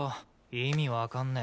意味分かんねぇ。